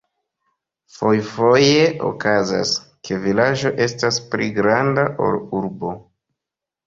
Fojfoje okazas, ke vilaĝo estas pli granda ol urbo.